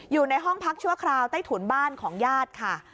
อยู่ในห้องพักชั่วคราวใต้ถุนบ้านของญาติค่ะ